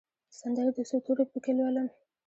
سندرې د څو تورو پکښې لولم